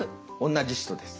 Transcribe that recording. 同じ人です。